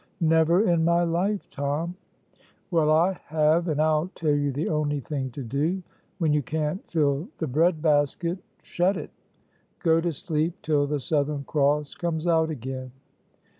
"Never in my life, Tom." "Well, I have, and I'll tell you the only thing to do when you can't fill the breadbasket, shut it. Go to sleep till the Southern Cross comes out again."